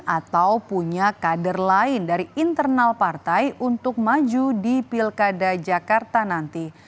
atau punya kader lain dari internal partai untuk maju di pilkada jakarta nanti